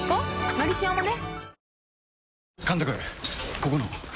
「のりしお」もね